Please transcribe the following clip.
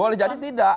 boleh jadi tidak